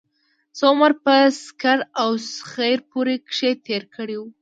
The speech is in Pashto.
څۀ عمر پۀ سکهر او خېر پور کښې تير کړے وو